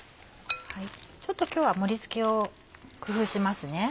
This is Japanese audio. ちょっと今日は盛り付けを工夫しますね。